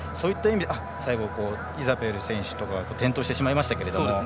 最後、イザベル選手とか転倒してしまいましたが。